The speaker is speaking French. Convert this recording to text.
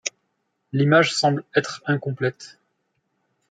L'image semble être incomplète.